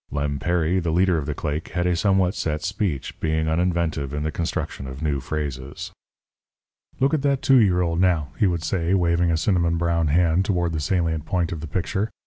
Lem Perry, the leader of the claque, had a somewhat set speech, being uninventive in the construction of new phrases. "Look at that two year old, now," he would say, waving a cinnamon brown hand toward the salient point of the picture.